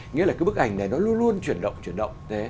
nghĩa là cái bức ảnh này nó luôn luôn chuyển động